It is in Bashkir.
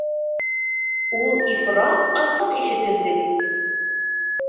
Ул ифрат асыҡ ишетелде бит...